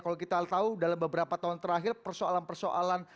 kalau kita tahu dalam beberapa tahun terakhir persoalan persoalan